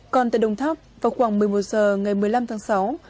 còn tại đồng tháp vào khoảng một mươi một h ngày một mươi năm tháng sáu